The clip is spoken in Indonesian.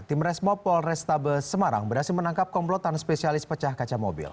tim resmo polrestabes semarang berhasil menangkap komplotan spesialis pecah kaca mobil